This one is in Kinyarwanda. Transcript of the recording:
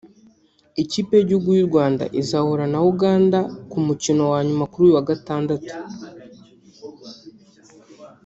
Ikipe y’igihugu y’u Rwanda izahura na Uganda ku mukino wa nyuma kuri uyu wa gatandatu